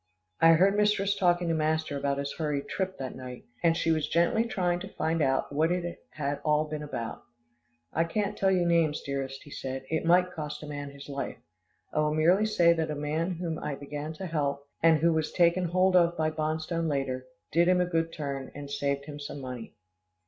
I heard mistress talking to master about his hurried trip that night, and she was gently trying to find out what it had all been about. "I can't tell you names, dearest," he said. "It might cost a man his life. I will merely say that a man whom I began to help, and who was taken hold of by Bonstone later, did him a good turn, and saved him some money."